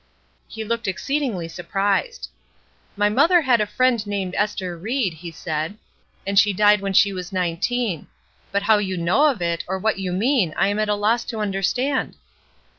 He looked exceedingly surprised. "My mother had a friend named Ester Ried," he said, "and she died when she was nineteen; but how you know of it or what you mean I am at a loss to understand."